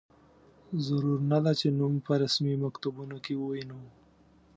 ضرور نه ده چې نوم په رسمي مکتوبونو کې ووینو.